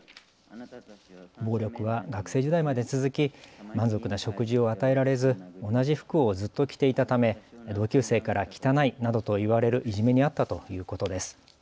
暴力は学生時代まで続き、満足な食事を与えられず同じ服をずっと着ていたため同級生から汚いなどと言われるいじめに遭ったということです。